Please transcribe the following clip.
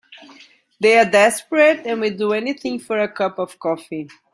They're desperate and will do anything for a cup of coffee.